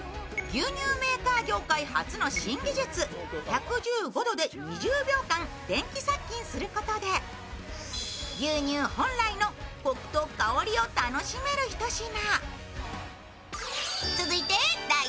牛乳メーカー業界初の新技術、１１５度で２０秒間電気殺菌することで牛乳本来のコクと香りを楽しめるひと品。